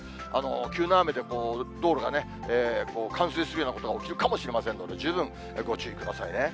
急な雨で、道路がね、冠水するようなことが起きるかもしれませんので、十分ご注意くださいね。